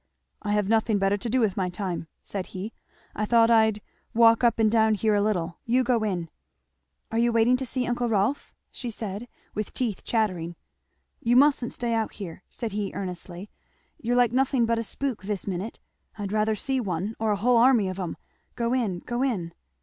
"I have nothing better to do with my time," said he; "I thought I'd walk up and down here a little. You go in!" "Are you waiting to see uncle Rolf?" she said, with teeth chattering. "You mustn't stay out here," said he earnestly "you're like nothing but a spook this minute I'd rather see one, or a hull army of 'em. Go in, go in!"